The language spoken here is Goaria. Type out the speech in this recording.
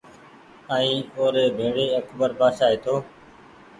ائين او ر ڀيڙي اڪبر بآڇآ هيتو